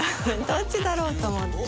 どっちだろう？と思って。